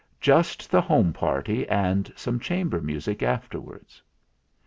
Just the home party and some chamber music after wards."